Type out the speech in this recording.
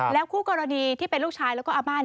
คู่กรณีที่เป็นลูกชายแล้วก็อาม่า